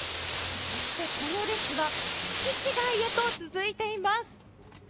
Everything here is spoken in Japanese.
そして、この列は敷地外へと続いています。